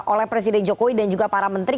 oleh presiden jokowi dan juga para menteri